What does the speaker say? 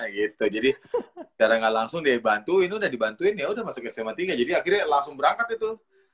gitu jadi cara gak langsung dibantuin udah dibantuin ya udah masuk sma tiga jadi akhirnya langsung berangkat itu